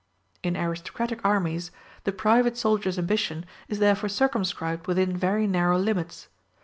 In aristocratic armies, the private soldier's ambition is therefore circumscribed within very narrow limits.